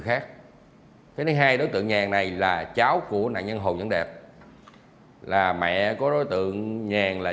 khác cái thứ hai đối tượng nhàng này là cháu của nạn nhân hồ văn đẹp là mẹ có đối tượng nhàng là